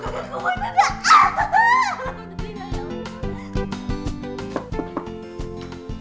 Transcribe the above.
kamu ini gak ah hahah